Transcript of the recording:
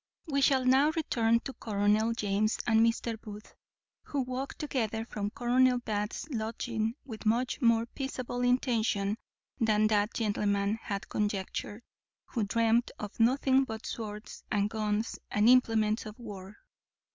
_ We shall now return to Colonel James and Mr. Booth, who walked together from Colonel Bath's lodging with much more peaceable intention than that gentleman had conjectured, who dreamt of nothing but swords and guns and implements of wars.